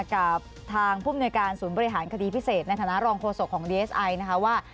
กับทางผู้มนวยการศูนย์บริหารคดีพิเศษในฐานะรองโฆษกของดีเอสไอนะคะว่า